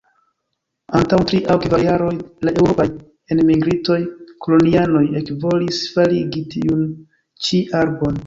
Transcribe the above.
Antaŭ tri aŭ kvar jaroj la eŭropaj enmigrintoj-kolonianoj ekvolis faligi tiun ĉi arbon.